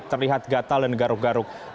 terlihat gatal dan garuk garuk